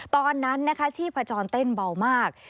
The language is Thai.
ตอนนั้นนะคะชีพจรเต้นเบามาก